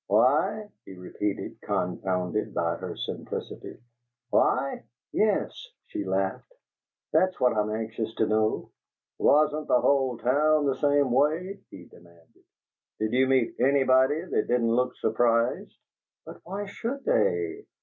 "Why?" he repeated, confounded by her simplicity. "Why?" "Yes," she laughed. "That's what I'm anxious to know." "Wasn't the whole town the same way?" he demanded. "Did you meet anybody that didn't look surprised?" "But why should they?"